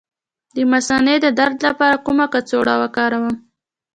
د مثانې د درد لپاره کومه کڅوړه وکاروم؟